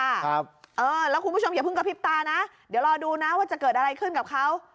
ครับเออแล้วคุณผู้ชมอย่าเพิ่งกระพริบตานะเดี๋ยวรอดูนะว่าจะเกิดอะไรขึ้นกับเขา